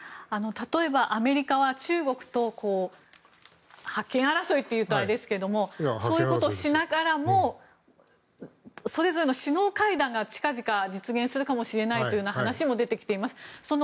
例えばアメリカは中国と覇権争いというとあれですがそういうことをしながらもそれぞれの首脳会談が近々、実現するかもしれないというような話も出てきています。